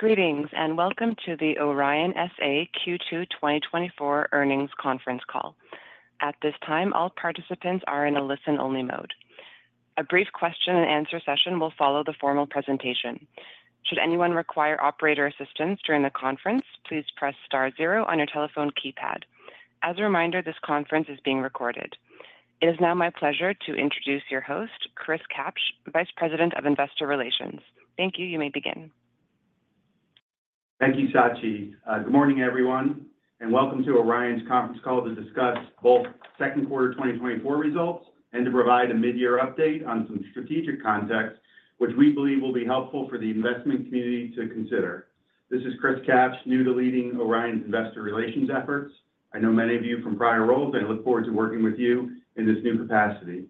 Greetings and welcome to the Orion S.A. Q2 2024 earnings conference call. At this time, all participants are in a listen-only mode. A brief question-and-answer session will follow the formal presentation. Should anyone require operator assistance during the conference, please press star zero on your telephone keypad. As a reminder, this conference is being recorded. It is now my pleasure to introduce your host, Chris Kapsch, Vice President of Investor Relations. Thank you. You may begin. Thank you, Sachi. Good morning, everyone, and welcome to Orion's conference call to discuss both second quarter 2024 results and to provide a mid-year update on some strategic context, which we believe will be helpful for the investment community to consider. This is Chris Kapsch, new to leading Orion's investor relations efforts. I know many of you from prior roles, and I look forward to working with you in this new capacity.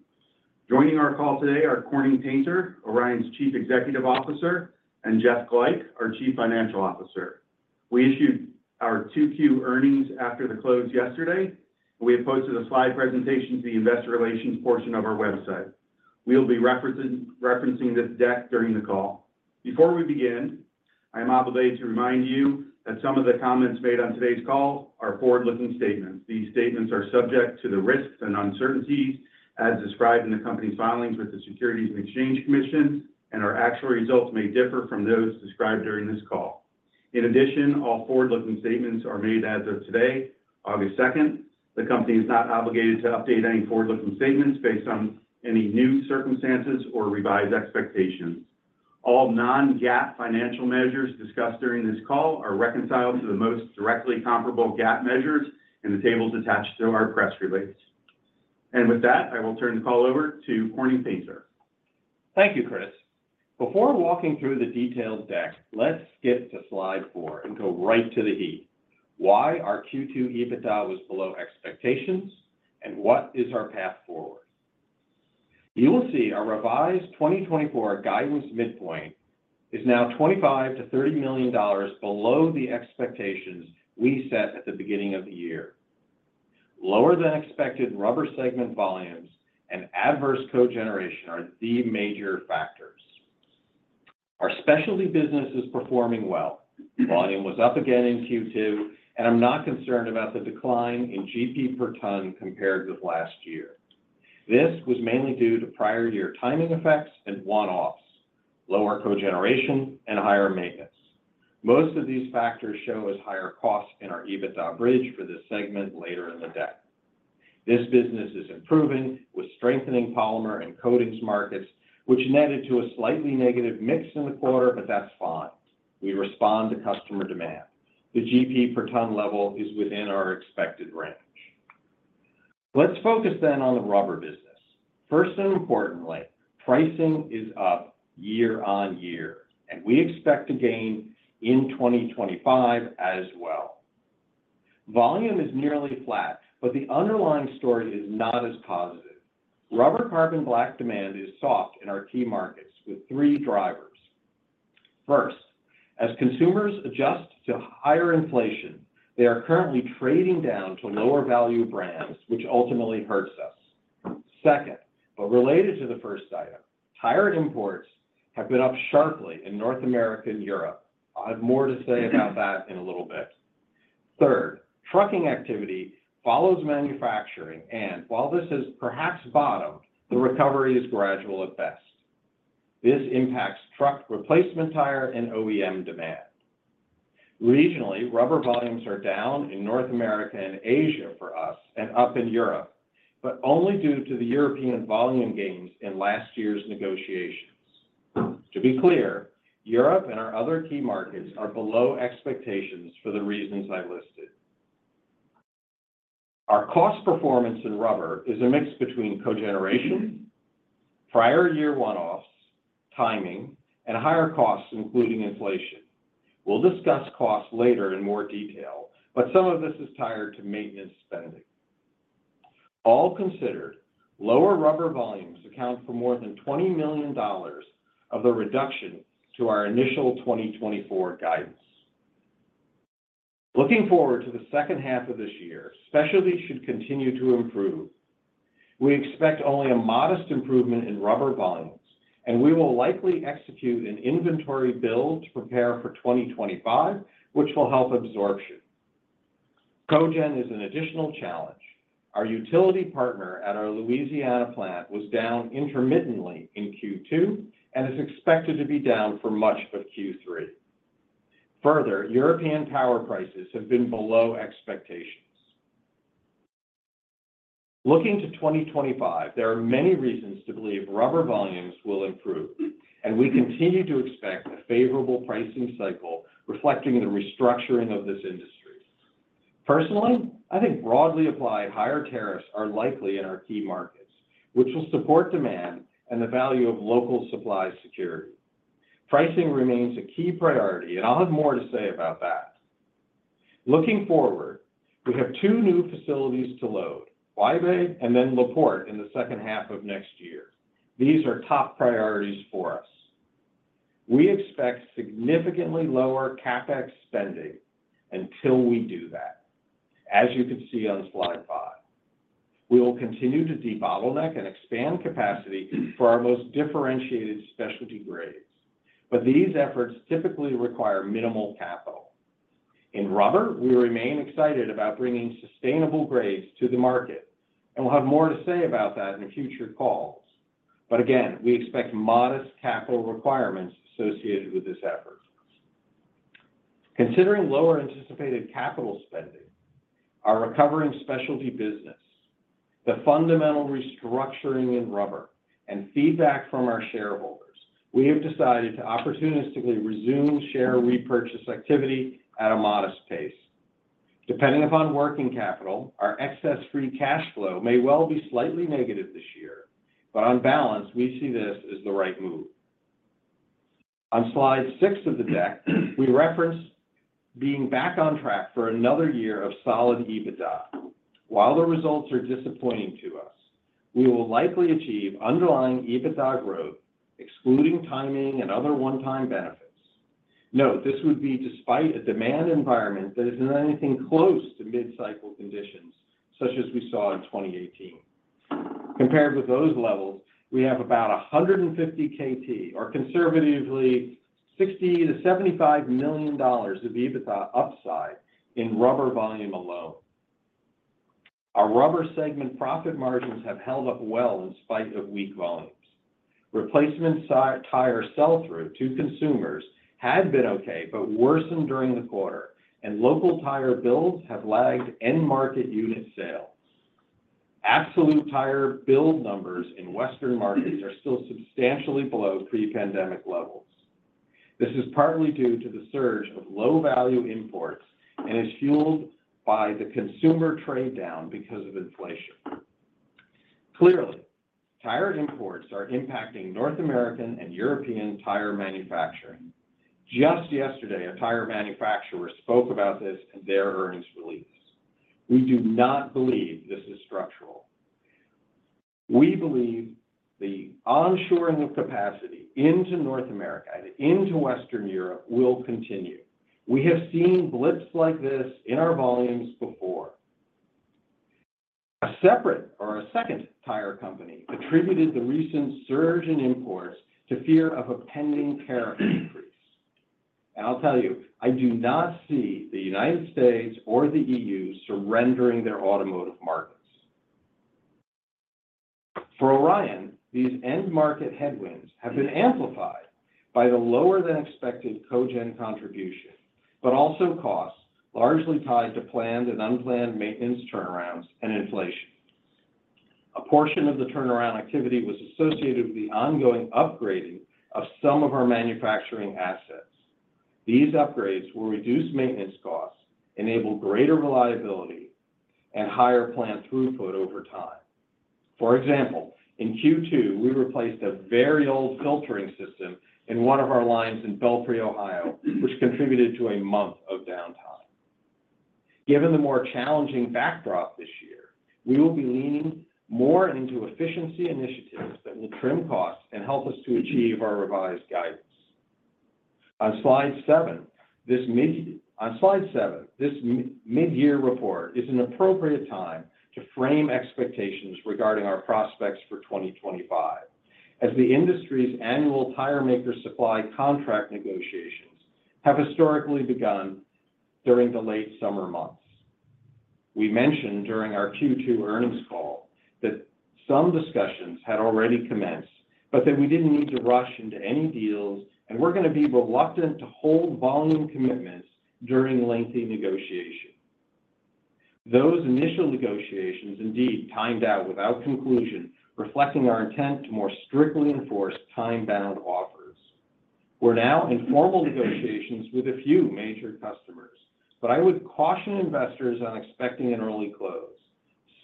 Joining our call today are Corning Painter, Orion's Chief Executive Officer, and Jeff Glajch, our Chief Financial Officer. We issued our Q2 earnings after the close yesterday, and we have posted a slide presentation to the investor relations portion of our website. We'll be referencing this deck during the call. Before we begin, I am obligated to remind you that some of the comments made on today's call are forward-looking statements. These statements are subject to the risks and uncertainties, as described in the company's filings with the Securities and Exchange Commission, and our actual results may differ from those described during this call. In addition, all forward-looking statements are made as of today, August 2nd. The company is not obligated to update any forward-looking statements based on any new circumstances or revise expectations. All non-GAAP financial measures discussed during this call are reconciled to the most directly comparable GAAP measures in the tables attached to our press release. And with that, I will turn the call over to Corning Painter. Thank you, Chris. Before walking through the detailed deck, let's skip to slide 4 and go right to the heat. Why our Q2 EBITDA was below expectations, and what is our path forward? You will see our revised 2024 guidance midpoint is now $25-$30 million below the expectations we set at the beginning of the year. Lower than expected rubber segment volumes and adverse cogeneration are the major factors. Our specialty business is performing well. Volume was up again in Q2, and I'm not concerned about the decline in GP per ton compared with last year. This was mainly due to prior year timing effects and one-offs, lower cogeneration, and higher maintenance. Most of these factors show as higher costs in our EBITDA bridge for this segment later in the deck. This business is improving with strengthening polymer and coatings markets, which netted to a slightly negative mix in the quarter, but that's fine. We respond to customer demand. The GP per ton level is within our expected range. Let's focus then on the rubber business. First and importantly, pricing is up year-over-year, and we expect to gain in 2025 as well. Volume is nearly flat, but the underlying story is not as positive. Rubber carbon black demand is soft in our key markets with three drivers. First, as consumers adjust to higher inflation, they are currently trading down to lower value brands, which ultimately hurts us. Second, but related to the first item, tire imports have been up sharply in North America and Europe. I have more to say about that in a little bit. Third, trucking activity follows manufacturing, and while this has perhaps bottomed, the recovery is gradual at best. This impacts truck replacement tire and OEM demand. Regionally, rubber volumes are down in North America and Asia for us and up in Europe, but only due to the European volume gains in last year's negotiations. To be clear, Europe and our other key markets are below expectations for the reasons I listed. Our cost performance in rubber is a mix between cogeneration, prior year one-offs, timing, and higher costs, including inflation. We'll discuss costs later in more detail, but some of this is tied to maintenance spending. All considered, lower rubber volumes account for more than $20 million of the reduction to our initial 2024 guidance. Looking forward to the second half of this year, specialties should continue to improve. We expect only a modest improvement in rubber volumes, and we will likely execute an inventory build to prepare for 2025, which will help absorption. Cogen is an additional challenge. Our utility partner at our Louisiana plant was down intermittently in Q2 and is expected to be down for much of Q3. Further, European power prices have been below expectations. Looking to 2025, there are many reasons to believe rubber volumes will improve, and we continue to expect a favorable pricing cycle reflecting the restructuring of this industry. Personally, I think broadly applied, higher tariffs are likely in our key markets, which will support demand and the value of local supply security. Pricing remains a key priority, and I'll have more to say about that. Looking forward, we have two new facilities to load, Huaibei and then La Porte in the second half of next year. These are top priorities for us. We expect significantly lower CapEx spending until we do that, as you can see on slide 5. We will continue to debottleneck and expand capacity for our most differentiated specialty grades, but these efforts typically require minimal capital. In rubber, we remain excited about bringing sustainable grades to the market, and we'll have more to say about that in future calls. But again, we expect modest capital requirements associated with this effort. Considering lower anticipated capital spending, our recovering specialty business, the fundamental restructuring in rubber, and feedback from our shareholders, we have decided to opportunistically resume share repurchase activity at a modest pace. Depending upon working capital, our excess free cash flow may well be slightly negative this year, but on balance, we see this as the right move. On slide 6 of the deck, we reference being back on track for another year of solid EBITDA. While the results are disappointing to us, we will likely achieve underlying EBITDA growth, excluding timing and other one-time benefits. Note this would be despite a demand environment that isn't anything close to mid-cycle conditions, such as we saw in 2018. Compared with those levels, we have about 150 KT, or conservatively $60-$75 million of EBITDA upside in rubber volume alone. Our rubber segment profit margins have held up well in spite of weak volumes. Replacement tire sell-through to consumers had been okay but worsened during the quarter, and local tire builds have lagged end-market unit sales. Absolute tire build numbers in Western markets are still substantially below pre-pandemic levels. This is partly due to the surge of low-value imports and is fueled by the consumer trade down because of inflation. Clearly, tire imports are impacting North American and European tire manufacturing. Just yesterday, a tire manufacturer spoke about this in their earnings release. We do not believe this is structural. We believe the onshoring of capacity into North America and into Western Europe will continue. We have seen blips like this in our volumes before. A separate or a second tire company attributed the recent surge in imports to fear of a pending tariff increase. And I'll tell you, I do not see the United States or the EU surrendering their automotive markets. For Orion, these end-market headwinds have been amplified by the lower-than-expected cogen contribution, but also costs largely tied to planned and unplanned maintenance turnarounds and inflation. A portion of the turnaround activity was associated with the ongoing upgrading of some of our manufacturing assets. These upgrades will reduce maintenance costs, enable greater reliability, and higher plant throughput over time. For example, in Q2, we replaced a very old filtering system in one of our lines in Belpre, Ohio, which contributed to a month of downtime. Given the more challenging backdrop this year, we will be leaning more into efficiency initiatives that will trim costs and help us to achieve our revised guidance. On slide 7, this mid-year report is an appropriate time to frame expectations regarding our prospects for 2025, as the industry's annual tire maker supply contract negotiations have historically begun during the late summer months. We mentioned during our Q2 earnings call that some discussions had already commenced, but that we didn't need to rush into any deals, and we're going to be reluctant to hold volume commitments during lengthy negotiation. Those initial negotiations indeed timed out without conclusion, reflecting our intent to more strictly enforce time-bound offers. We're now in formal negotiations with a few major customers, but I would caution investors on expecting an early close.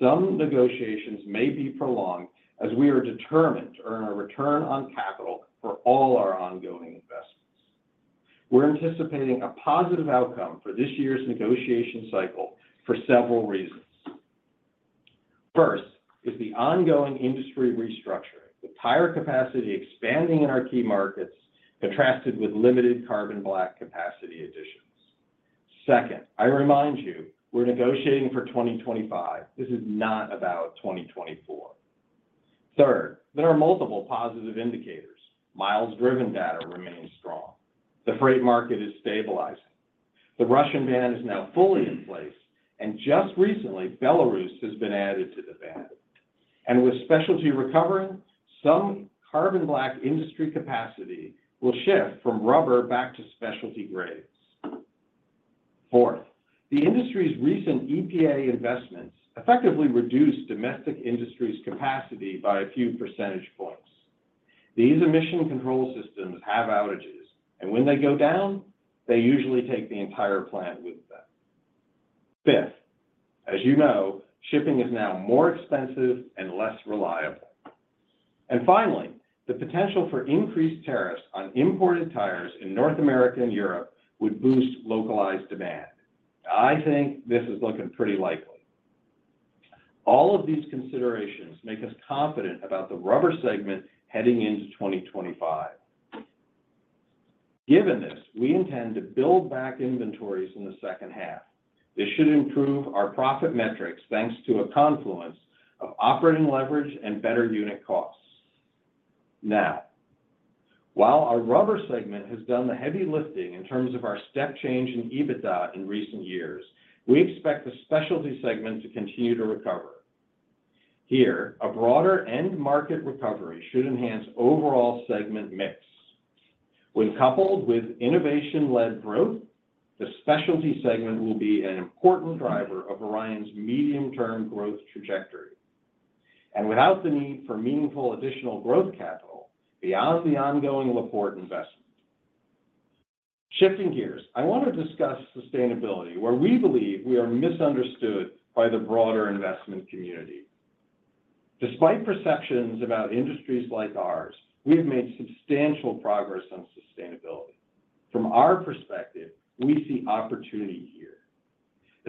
Some negotiations may be prolonged as we are determined to earn a return on capital for all our ongoing investments. We're anticipating a positive outcome for this year's negotiation cycle for several reasons. First is the ongoing industry restructuring, with tire capacity expanding in our key markets contrasted with limited carbon black capacity additions. Second, I remind you, we're negotiating for 2025. This is not about 2024. Third, there are multiple positive indicators. Miles-driven data remains strong. The freight market is stabilizing. The Russian ban is now fully in place, and just recently, Belarus has been added to the ban. With specialty recovering, some carbon black industry capacity will shift from rubber back to specialty grades. Fourth, the industry's recent EPA investments effectively reduced domestic industry's capacity by a few percentage points. These emission control systems have outages, and when they go down, they usually take the entire plant with them. Fifth, as you know, shipping is now more expensive and less reliable. And finally, the potential for increased tariffs on imported tires in North America and Europe would boost localized demand. I think this is looking pretty likely. All of these considerations make us confident about the rubber segment heading into 2025. Given this, we intend to build back inventories in the second half. This should improve our profit metrics thanks to a confluence of operating leverage and better unit costs. Now, while our rubber segment has done the heavy lifting in terms of our step change in EBITDA in recent years, we expect the specialty segment to continue to recover. Here, a broader end-market recovery should enhance overall segment mix. When coupled with innovation-led growth, the specialty segment will be an important driver of Orion's medium-term growth trajectory, and without the need for meaningful additional growth capital beyond the ongoing La Porte investment. Shifting gears, I want to discuss sustainability, where we believe we are misunderstood by the broader investment community. Despite perceptions about industries like ours, we have made substantial progress on sustainability. From our perspective, we see opportunity here,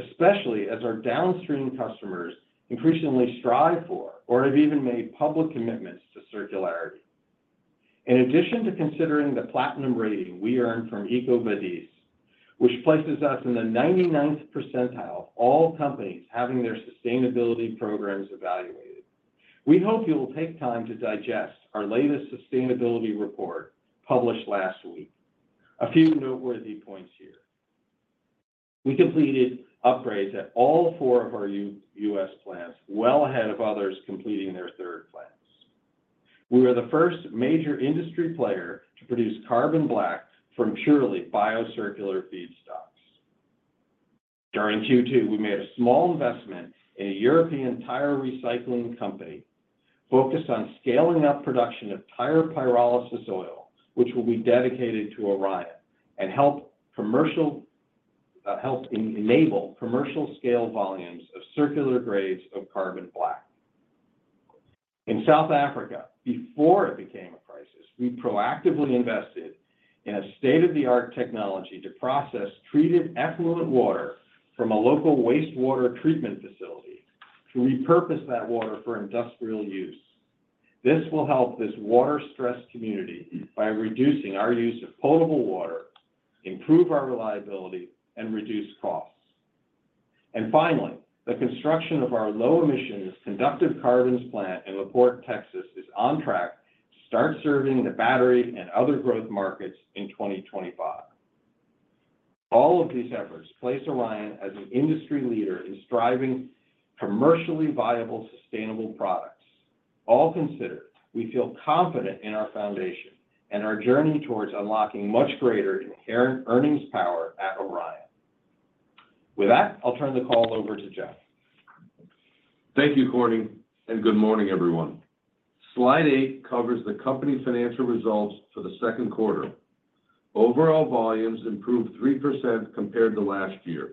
especially as our downstream customers increasingly strive for or have even made public commitments to circularity. In addition to considering the platinum rating we earned from EcoVadis, which places us in the 99th percentile of all companies having their sustainability programs evaluated, we hope you'll take time to digest our latest sustainability report published last week. A few noteworthy points here. We completed upgrades at all four of our U.S. plants well ahead of others completing their third plants. We were the first major industry player to produce carbon black from purely biocircular feedstocks. During Q2, we made a small investment in a European tire recycling company focused on scaling up production of tire pyrolysis oil, which will be dedicated to Orion and help enable commercial-scale volumes of circular grades of carbon black. In South Africa, before it became a crisis, we proactively invested in a state-of-the-art technology to process treated effluent water from a local wastewater treatment facility to repurpose that water for industrial use. This will help this water-stressed community by reducing our use of potable water, improve our reliability, and reduce costs. And finally, the construction of our low-emissions conductive carbons plant in La Porte, Texas, is on track to start serving the battery and other growth markets in 2025. All of these efforts place Orion as an industry leader in striving for commercially viable sustainable products. All considered, we feel confident in our foundation and our journey towards unlocking much greater inherent earnings power at Orion. With that, I'll turn the call over to Jeff. Thank you, Corning, and good morning, everyone. Slide 8 covers the company financial results for the second quarter. Overall volumes improved 3% compared to last year.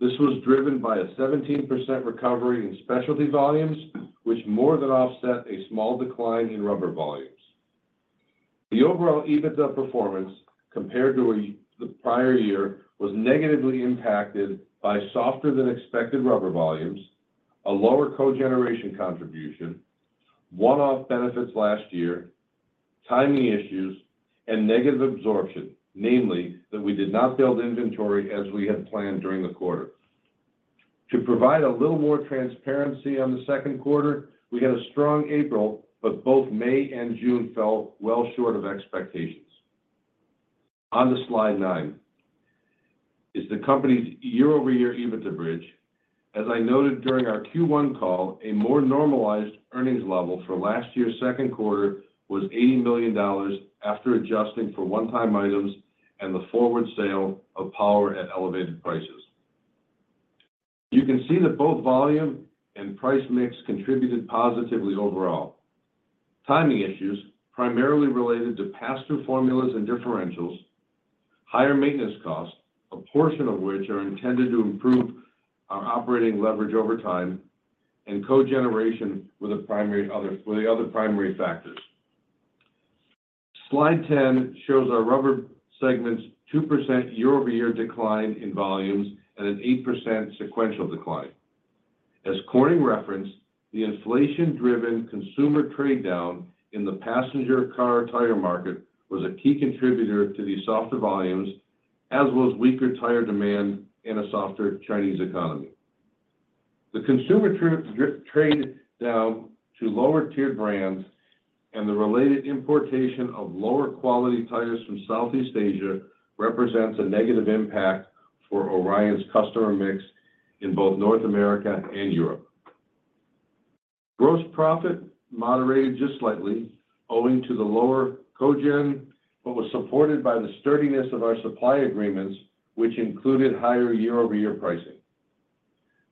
This was driven by a 17% recovery in specialty volumes, which more than offset a small decline in rubber volumes. The overall EBITDA performance compared to the prior year was negatively impacted by softer-than-expected rubber volumes, a lower cogeneration contribution, one-off benefits last year, timing issues, and negative absorption, namely that we did not build inventory as we had planned during the quarter. To provide a little more transparency on the second quarter, we had a strong April, but both May and June fell well short of expectations. On to slide 9 is the company's year-over-year EBITDA bridge. As I noted during our Q1 call, a more normalized earnings level for last year's second quarter was $80 million after adjusting for one-time items and the forward sale of power at elevated prices. You can see that both volume and price mix contributed positively overall. Timing issues primarily related to pass-through formulas and differentials, higher maintenance costs, a portion of which are intended to improve our operating leverage over time, and cogeneration with the other primary factors. Slide 10 shows our rubber segment's 2% year-over-year decline in volumes and an 8% sequential decline. As Corning referenced, the inflation-driven consumer trade down in the passenger car tire market was a key contributor to the softer volumes, as well as weaker tire demand in a softer Chinese economy. The consumer trade down to lower-tier brands and the related importation of lower-quality tires from Southeast Asia represents a negative impact for Orion's customer mix in both North America and Europe. Gross profit moderated just slightly, owing to the lower cogen, but was supported by the sturdiness of our supply agreements, which included higher year-over-year pricing.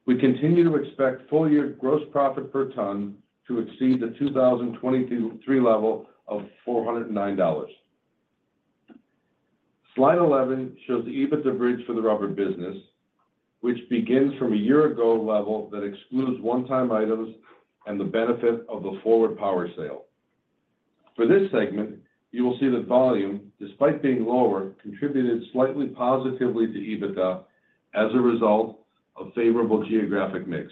We continue to expect full-year gross profit per ton to exceed the 2023 level of $409. Slide 11 shows the EBITDA bridge for the rubber business, which begins from a year-ago level that excludes one-time items and the benefit of the forward power sale. For this segment, you will see that volume, despite being lower, contributed slightly positively to EBITDA as a result of favorable geographic mix.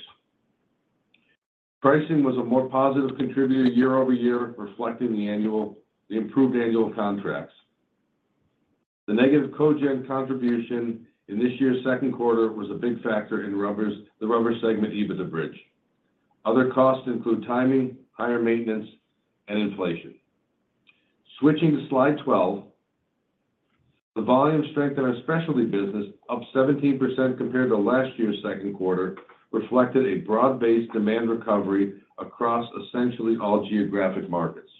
Pricing was a more positive contributor year-over-year, reflecting the improved annual contracts. The negative cogen contribution in this year's second quarter was a big factor in the rubber segment EBITDA bridge. Other costs include timing, higher maintenance, and inflation. Switching to slide 12, the volume strength in our specialty business, up 17% compared to last year's second quarter, reflected a broad-based demand recovery across essentially all geographic markets.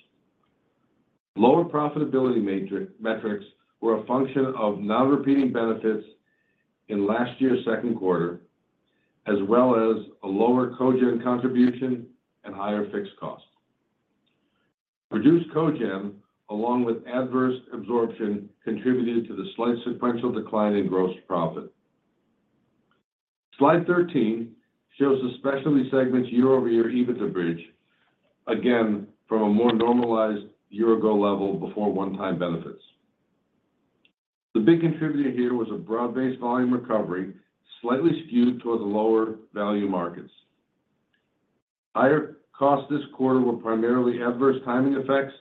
Lower profitability metrics were a function of non-repeating benefits in last year's second quarter, as well as a lower cogen contribution and higher fixed cost. Reduced cogen, along with adverse absorption, contributed to the slight sequential decline in gross profit. Slide 13 shows the specialty segment's year-over-year EBITDA bridge, again from a more normalized year-ago level before one-time benefits. The big contributor here was a broad-based volume recovery, slightly skewed towards the lower value markets. Higher costs this quarter were primarily adverse timing effects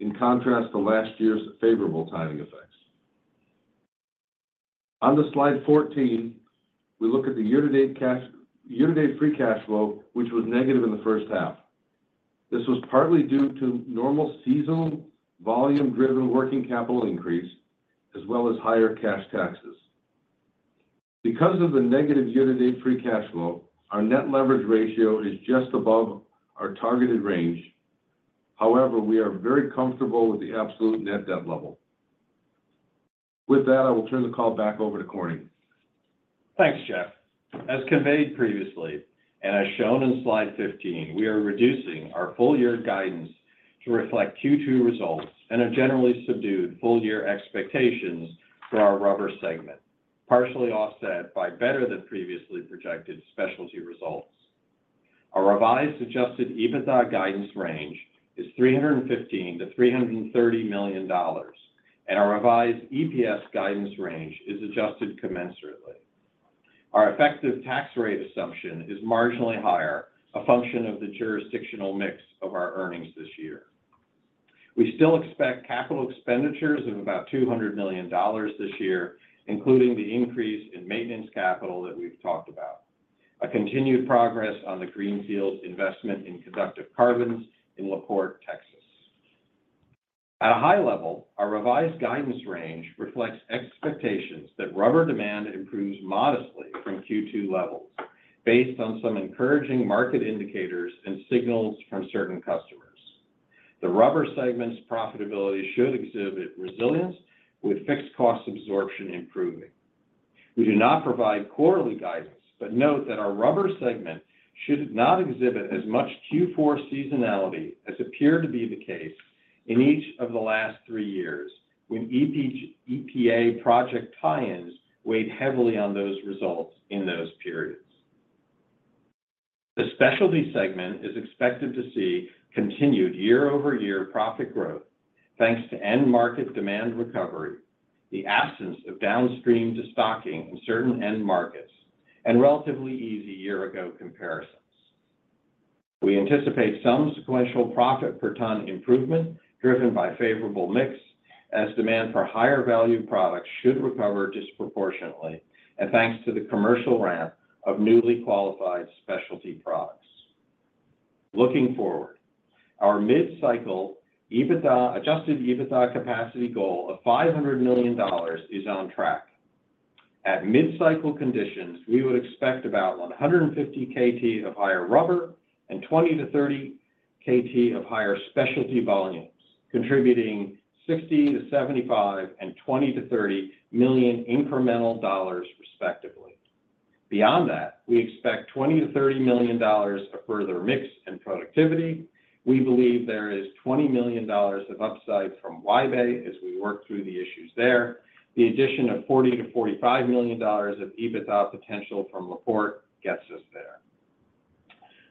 in contrast to last year's favorable timing effects. On to slide 14, we look at the year-to-date free cash flow, which was negative in the first half. This was partly due to normal seasonal volume-driven working capital increase, as well as higher cash taxes. Because of the negative year-to-date free cash flow, our net leverage ratio is just above our targeted range. However, we are very comfortable with the absolute net debt level. With that, I will turn the call back over to Corning. Thanks, Jeff. As conveyed previously and as shown in slide 15, we are reducing our full-year guidance to reflect Q2 results and have generally subdued full-year expectations for our rubber segment, partially offset by better-than-previously projected specialty results. Our revised adjusted EBITDA guidance range is $315-$330 million, and our revised EPS guidance range is adjusted commensurately. Our effective tax rate assumption is marginally higher, a function of the jurisdictional mix of our earnings this year. We still expect capital expenditures of about $200 million this year, including the increase in maintenance capital that we've talked about, a continued progress on the greenfield investment in conductive carbons in La Porte, Texas. At a high level, our revised guidance range reflects expectations that rubber demand improves modestly from Q2 levels, based on some encouraging market indicators and signals from certain customers. The rubber segment's profitability should exhibit resilience, with fixed cost absorption improving. We do not provide quarterly guidance, but note that our rubber segment should not exhibit as much Q4 seasonality as appeared to be the case in each of the last three years, when EPA project tie-ins weighed heavily on those results in those periods. The specialty segment is expected to see continued year-over-year profit growth, thanks to end-market demand recovery, the absence of downstream destocking in certain end markets, and relatively easy year-ago comparisons. We anticipate some sequential profit per ton improvement driven by favorable mix, as demand for higher-value products should recover disproportionately, and thanks to the commercial ramp of newly qualified specialty products. Looking forward, our mid-cycle adjusted EBITDA capacity goal of $500 million is on track. At mid-cycle conditions, we would expect about 150 KT of higher rubber and 20-30 KT of higher specialty volumes, contributing $60-$75 million and $20-$30 million incremental dollars, respectively. Beyond that, we expect $20-$30 million of further mix and productivity. We believe there is $20 million of upside from Huaibei as we work through the issues there. The addition of $40-$45 million of EBITDA potential from La Porte gets us there.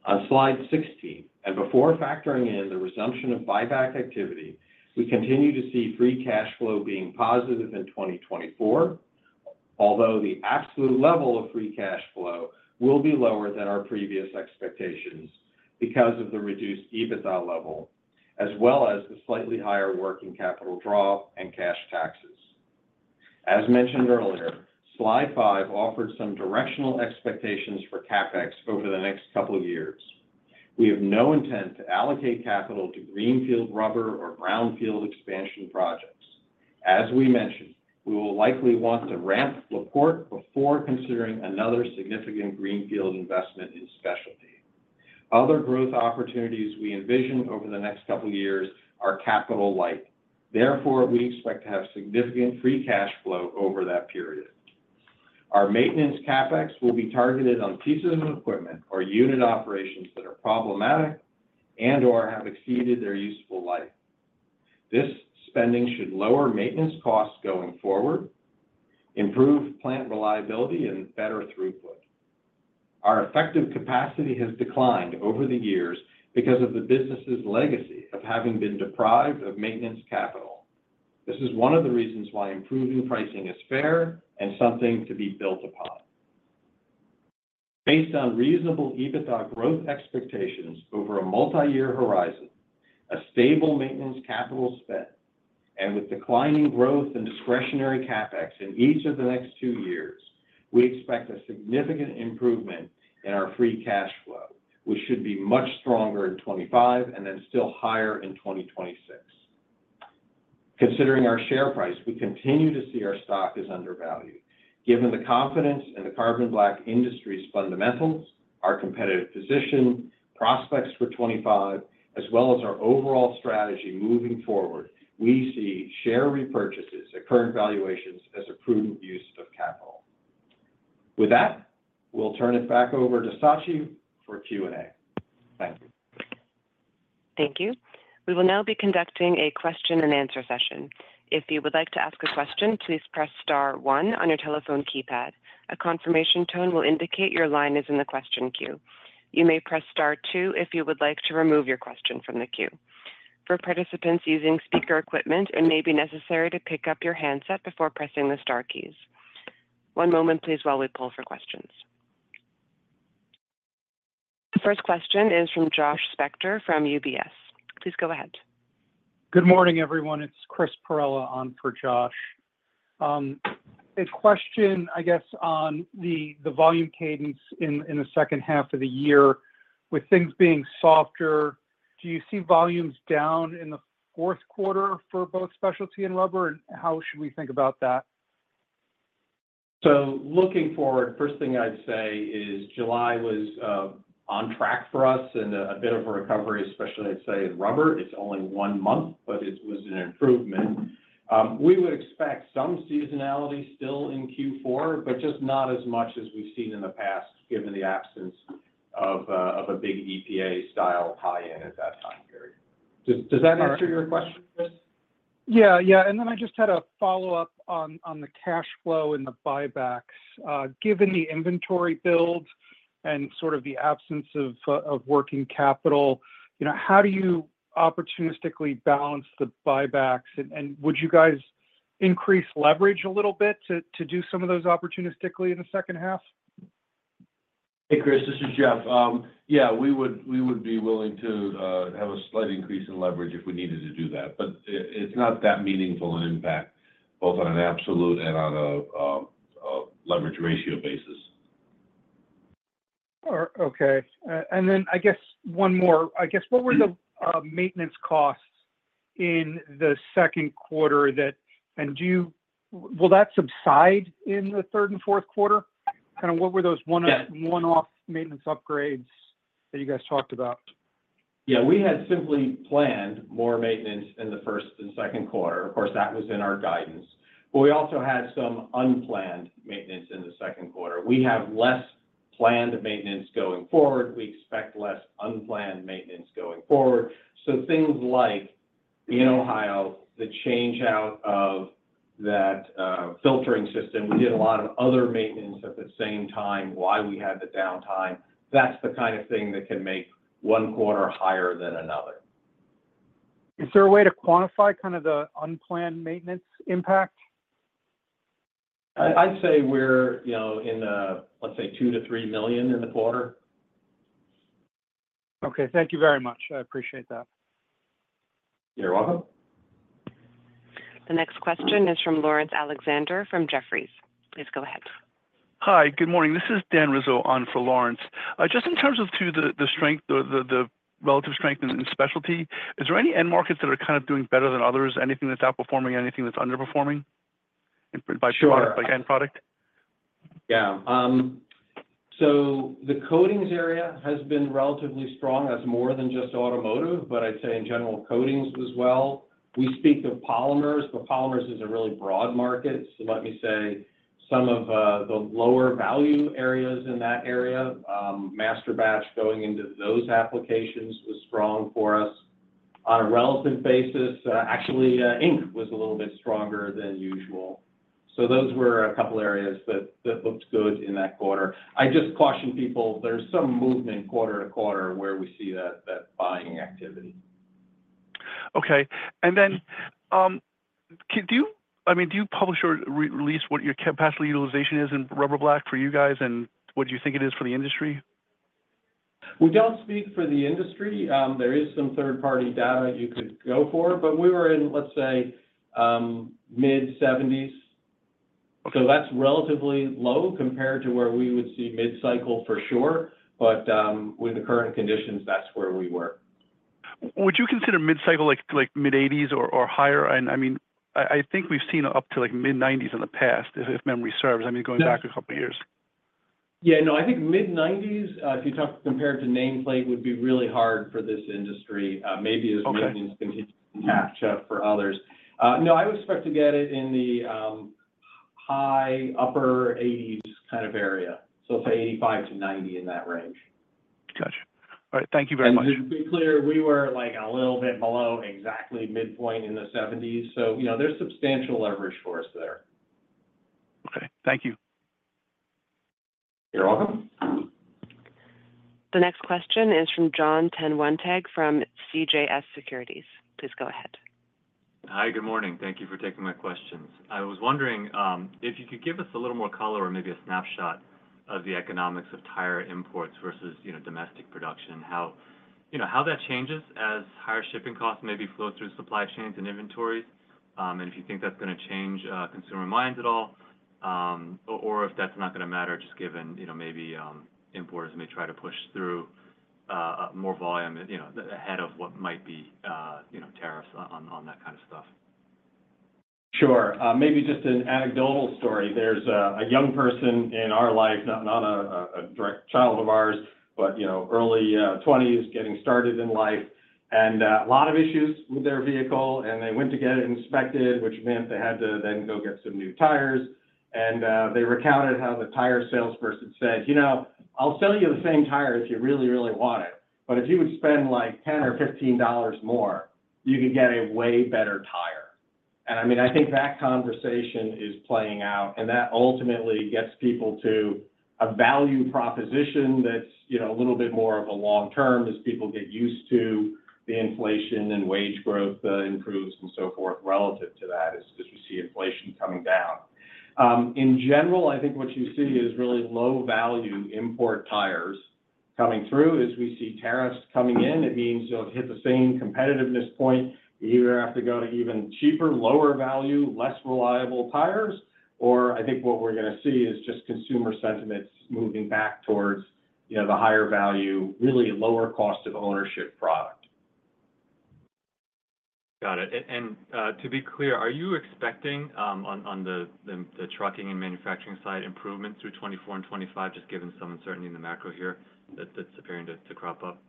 On slide 16, and before factoring in the resumption of buyback activity, we continue to see free cash flow being positive in 2024, although the absolute level of free cash flow will be lower than our previous expectations because of the reduced EBITDA level, as well as the slightly higher working capital draw and cash taxes. As mentioned earlier, slide 5 offered some directional expectations for CapEx over the next couple of years. We have no intent to allocate capital to greenfield rubber or brownfield expansion projects. As we mentioned, we will likely want to ramp La Porte before considering another significant greenfield investment in specialty. Other growth opportunities we envision over the next couple of years are capital-light. Therefore, we expect to have significant free cash flow over that period. Our maintenance CapEx will be targeted on pieces of equipment or unit operations that are problematic and/or have exceeded their useful life. This spending should lower maintenance costs going forward, improve plant reliability, and better throughput. Our effective capacity has declined over the years because of the business's legacy of having been deprived of maintenance capital. This is one of the reasons why improving pricing is fair and something to be built upon. Based on reasonable EBITDA growth expectations over a multi-year horizon, a stable maintenance capital spend, and with declining growth and discretionary CapEx in each of the next two years, we expect a significant improvement in our free cash flow, which should be much stronger in 2025 and then still higher in 2026. Considering our share price, we continue to see our stock is undervalued. Given the confidence in the carbon black industry's fundamentals, our competitive position, prospects for 2025, as well as our overall strategy moving forward, we see share repurchases at current valuations as a prudent use of capital. With that, we'll turn it back over to Sachi for Q&A. Thank you. Thank you. We will now be conducting a question-and-answer session. If you would like to ask a question, please press star one on your telephone keypad. A confirmation tone will indicate your line is in the question queue. You may press star two if you would like to remove your question from the queue. For participants using speaker equipment, it may be necessary to pick up your handset before pressing the star keys. One moment, please, while we poll for questions. The first question is from Josh Spector from UBS. Please go ahead. Good morning, everyone. It's Chris Perrella, on for Josh. A question, I guess, on the volume cadence in the second half of the year. With things being softer, do you see volumes down in the fourth quarter for both specialty and rubber? And how should we think about that? So looking forward, the first thing I'd say is July was on track for us and a bit of a recovery, especially, I'd say, in rubber. It's only one month, but it was an improvement. We would expect some seasonality still in Q4, but just not as much as we've seen in the past, given the absence of a big EPA-style tie-in at that time period. Does that answer your question, Chris? Yeah. Yeah. And then I just had a follow-up on the cash flow and the buybacks. Given the inventory build and sort of the absence of working capital, how do you opportunistically balance the buybacks? And would you guys increase leverage a little bit to do some of those opportunistically in the second half? Hey, Chris, this is Jeff. Yeah, we would be willing to have a slight increase in leverage if we needed to do that. But it's not that meaningful an impact, both on an absolute and on a leverage ratio basis. Okay. And then, I guess, one more. I guess, what were the maintenance costs in the second quarter? And will that subside in the third and fourth quarter? Kind of, what were those one-off maintenance upgrades that you guys talked about? Yeah. We had simply planned more maintenance in the first and second quarter. Of course, that was in our guidance. But we also had some unplanned maintenance in the second quarter. We have less planned maintenance going forward. We expect less unplanned maintenance going forward. So things like, in Ohio, the changeout of that filtering system. We did a lot of other maintenance at the same time, why we had the downtime. That's the kind of thing that can make one quarter higher than another. Is there a way to quantify kind of the unplanned maintenance impact? I'd say we're in, let's say, $2 million-$3 million in the quarter. Okay. Thank you very much. I appreciate that. You're welcome. The next question is from Lawrence Alexander from Jefferies. Please go ahead. Hi. Good morning. This is Dan Rizzo on for Lawrence. Just in terms of the relative strength in specialty, is there any end markets that are kind of doing better than others? Anything that's outperforming? Anything that's underperforming by end product? Yeah. So the coatings area has been relatively strong. That's more than just automotive, but I'd say, in general, coatings as well. We speak of polymers, but polymers is a really broad market. So let me say some of the lower value areas in that area, masterbatch going into those applications was strong for us. On a relative basis, actually, ink was a little bit stronger than usual. So those were a couple of areas that looked good in that quarter. I just caution people there's some movement quarter to quarter where we see that buying activity. Okay. And then, I mean, do you publish or release what your capacity utilization is in rubber black for you guys, and what do you think it is for the industry? We don't speak for the industry. There is some third-party data you could go for, but we were in, let's say, mid-70s. So that's relatively low compared to where we would see mid-cycle for sure. But with the current conditions, that's where we were. Would you consider mid-cycle like mid-80s or higher? And I mean, I think we've seen up to like mid-90s in the past, if memory serves. I mean, going back a couple of years. Yeah. No, I think mid-90s, if you compare it to nameplate, would be really hard for this industry. Maybe as maintenance continues to catch up for others. No, I would expect to get it in the high, upper 80s kind of area. So I'll say 85-90 in that range. Gotcha. All right. Thank you very much. And to be clear, we were like a little bit below exactly midpoint in the 70s. So there's substantial leverage for us there. Okay. Thank you. You're welcome. The next question is from Jon Tanwanteng from CJS Securities. Please go ahead. Hi. Good morning. Thank you for taking my questions. I was wondering if you could give us a little more color or maybe a snapshot of the economics of tire imports versus domestic production, how that changes as higher shipping costs maybe flow through supply chains and inventories. And if you think that's going to change consumer minds at all, or if that's not going to matter, just given maybe importers may try to push through more volume ahead of what might be tariffs on that kind of stuff. Sure. Maybe just an anecdotal story. There's a young person in our life, not a direct child of ours, but early 20s, getting started in life, and a lot of issues with their vehicle. They went to get it inspected, which meant they had to then go get some new tires. They recounted how the tire salesperson said, "I'll sell you the same tire if you really, really want it. But if you would spend like $10 or $15 more, you could get a way better tire." I mean, I think that conversation is playing out. That ultimately gets people to a value proposition that's a little bit more of a long term as people get used to the inflation and wage growth improves and so forth relative to that as we see inflation coming down. In general, I think what you see is really low-value import tires coming through as we see tariffs coming in. It means you'll hit the same competitiveness point. You either have to go to even cheaper, lower-value, less reliable tires, or I think what we're going to see is just consumer sentiments moving back towards the higher-value, really lower-cost-of-ownership product. Got it. And to be clear, are you expecting on the trucking and manufacturing side improvement through 2024 and 2025, just given some uncertainty in the macro here that's appearing to crop up?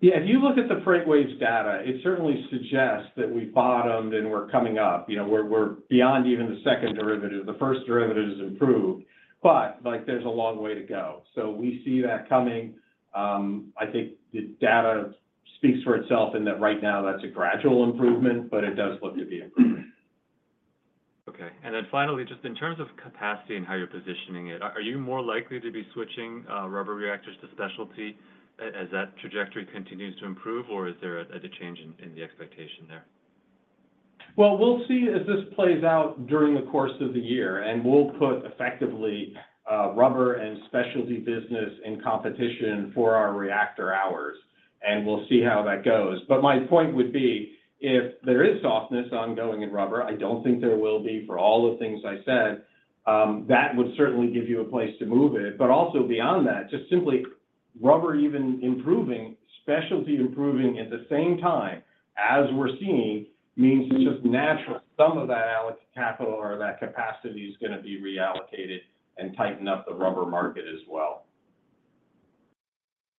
Yeah. If you look at the freight wage data, it certainly suggests that we bottomed and we're coming up. We're beyond even the second derivative. The first derivative has improved, but there's a long way to go. So we see that coming. I think the data speaks for itself in that right now that's a gradual improvement, but it does look to be improving. Okay. And then finally, just in terms of capacity and how you're positioning it, are you more likely to be switching rubber reactors to specialty as that trajectory continues to improve, or is there a change in the expectation there? Well, we'll see as this plays out during the course of the year. And we'll put effectively rubber and specialty business in competition for our reactor hours. And we'll see how that goes. But my point would be if there is softness ongoing in rubber, I don't think there will be for all the things I said. That would certainly give you a place to move it. Also beyond that, just simply rubber even improving, specialty improving at the same time as we're seeing means it's just natural some of that capital or that capacity is going to be reallocated and tighten up the rubber market as well.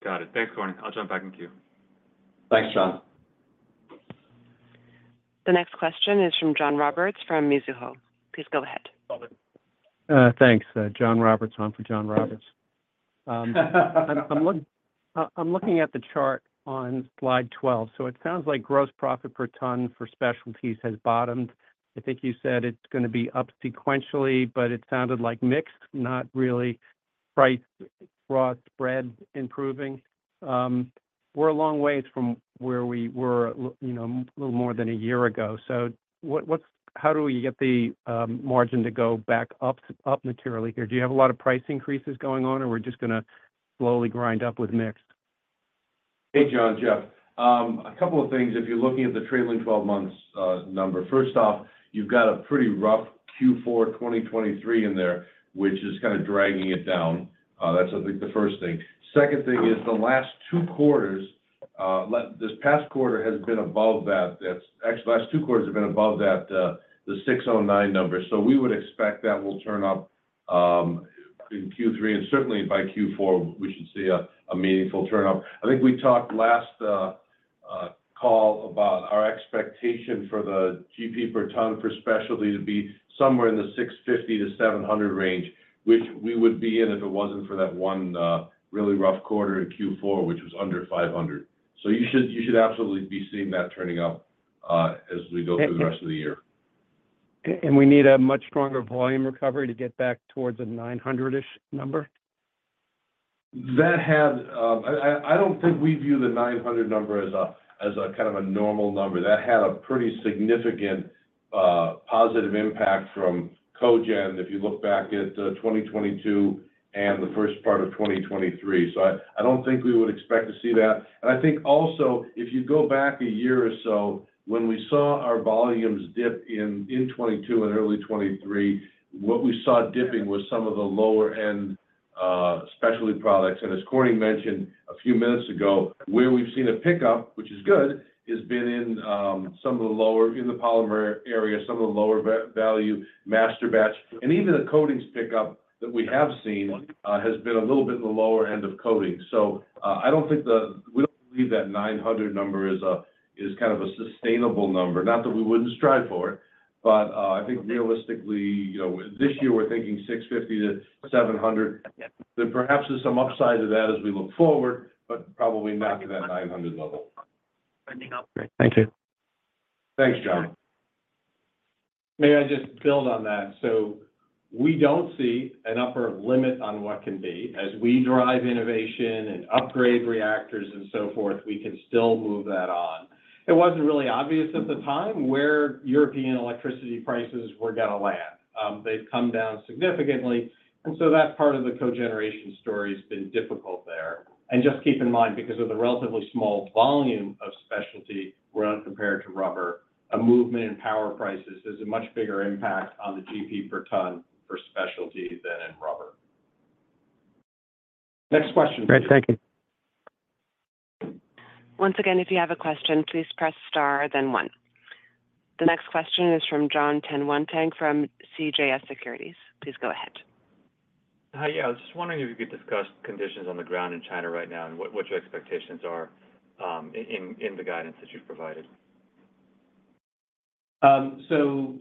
Got it. Thanks, Corning. I'll jump back into you. Thanks, John. The next question is from John Roberts from Mizuho. Please go ahead. Thanks. John Roberts, on for John Roberts. I'm looking at the chart on slide 12. It sounds like gross profit per ton for specialties has bottomed. I think you said it's going to be up sequentially, but it sounded like mixed, not really price, raw, spread improving. We're a long ways from where we were a little more than a year ago. How do we get the margin to go back up materially here? Do you have a lot of price increases going on, or we're just going to slowly grind up with mixed? Hey, John, Jeff. A couple of things. If you're looking at the trailing 12 months number, first off, you've got a pretty rough Q4 2023 in there, which is kind of dragging it down. That's the first thing. Second thing is the last 2 quarters, this past quarter has been above that. The last 2 quarters have been above that, the 609 number. So we would expect that will turn up in Q3. And certainly by Q4, we should see a meaningful turn up. I think we talked last call about our expectation for the GP per ton for specialty to be somewhere in the 650-700 range, which we would be in if it wasn't for that 1 really rough quarter in Q4, which was under 500. So you should absolutely be seeing that turning up as we go through the rest of the year. And we need a much stronger volume recovery to get back towards a 900-ish number? I don't think we view the 900 number as a kind of a normal number. That had a pretty significant positive impact from cogen, if you look back at 2022 and the first part of 2023. So I don't think we would expect to see that. And I think also, if you go back a year or so when we saw our volumes dip in 2022 and early 2023, what we saw dipping was some of the lower-end specialty products. And as Corning mentioned a few minutes ago, where we've seen a pickup, which is good, has been in some of the lower in the polymer area, some of the lower-value masterbatch. Even the coatings pickup that we have seen has been a little bit in the lower end of coatings. So I don't think we don't believe that 900 number is kind of a sustainable number. Not that we wouldn't strive for it, but I think realistically, this year, we're thinking 650-700. There perhaps is some upside to that as we look forward, but probably not to that 900 level. Thank you. Thanks, John. May I just build on that? So we don't see an upper limit on what can be. As we drive innovation and upgrade reactors and so forth, we can still move that on. It wasn't really obvious at the time where European electricity prices were going to land. They've come down significantly. So that part of the cogeneration story has been difficult there. Just keep in mind, because of the relatively small volume of specialty compared to rubber, a movement in power prices has a much bigger impact on the GP per ton for specialty than in rubber. Next question. Great. Thank you. Once again, if you have a question, please press star, then one. The next question is from Jon Tanwanteng from CJS Securities. Please go ahead. Hi. Yeah. I was just wondering if you could discuss conditions on the ground in China right now and what your expectations are in the guidance that you've provided. So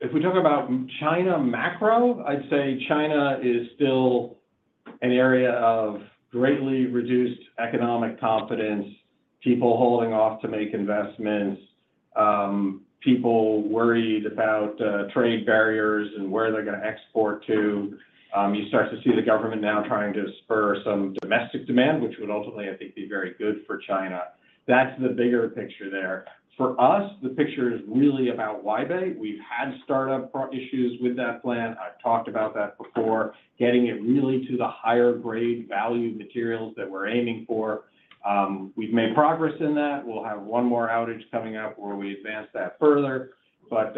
if we talk about China macro, I'd say China is still an area of greatly reduced economic confidence, people holding off to make investments, people worried about trade barriers and where they're going to export to. You start to see the government now trying to spur some domestic demand, which would ultimately, I think, be very good for China. That's the bigger picture there. For us, the picture is really about Huaibei. We've had startup issues with that plant. I've talked about that before, getting it really to the higher-grade value materials that we're aiming for. We've made progress in that. We'll have one more outage coming up where we advance that further. But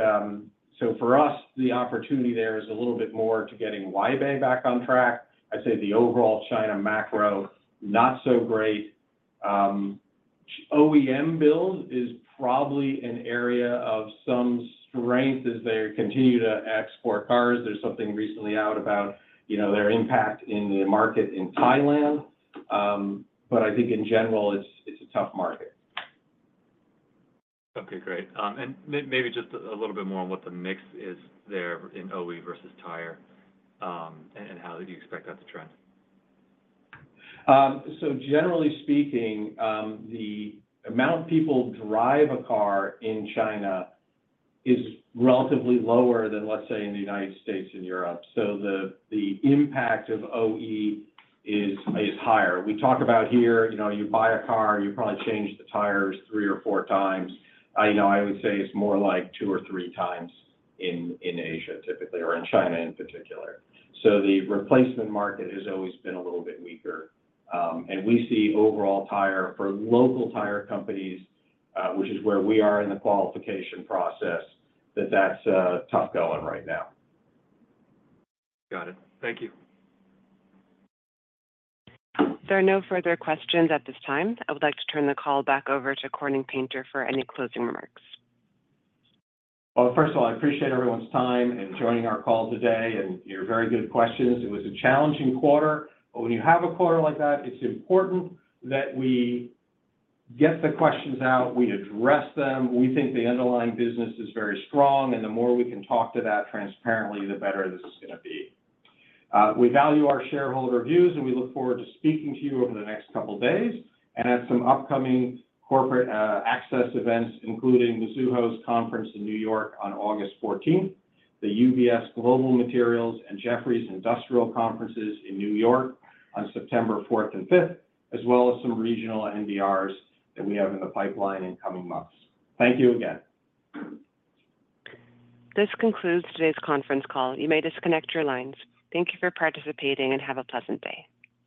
so for us, the opportunity there is a little bit more to getting Huaibei back on track. I'd say the overall China macro, not so great. OEM build is probably an area of some strength as they continue to export cars. There's something recently out about their impact in the market in Thailand. But I think in general, it's a tough market. Okay. Great. And maybe just a little bit more on what the mix is there in OE versus tire and how you expect that to trend. So generally speaking, the amount of people drive a car in China is relatively lower than, let's say, in the United States and Europe. So the impact of OE is higher. We talk about here, you buy a car, you probably change the tires three or four times. I would say it's more like two or three times in Asia typically or in China in particular. So the replacement market has always been a little bit weaker. And we see overall tire for local tire companies, which is where we are in the qualification process, that that's tough going right now. Got it. Thank you. There are no further questions at this time. I would like to turn the call back over to Corning Painter for any closing remarks. Well, first of all, I appreciate everyone's time and joining our call today and your very good questions. It was a challenging quarter. But when you have a quarter like that, it's important that we get the questions out. We address them. We think the underlying business is very strong. And the more we can talk to that transparently, the better this is going to be. We value our shareholder views, and we look forward to speaking to you over the next couple of days and at some upcoming corporate access events, including Mizuho's conference in New York on August 14th, the UBS Global Materials and Jefferies Industrial Conferences in New York on September 4th and 5th, as well as some regional NDRs that we have in the pipeline in coming months. Thank you again. This concludes today's conference call. You may disconnect your lines. Thank you for participating and have a pleasant day.